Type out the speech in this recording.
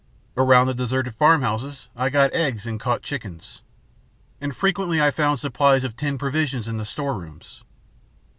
Around the deserted farmhouses I got eggs and caught chickens. And frequently I found supplies of tinned provisions in the store rooms.